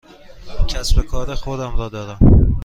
کسب و کار خودم را دارم.